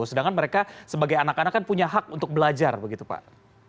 sedangkan mereka sebagai anak anak kan punya hak untuk belajar begitu pak